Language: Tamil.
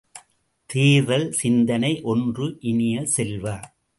தேர்தல் சிந்தனை ஒன்று இனிய செல்வ!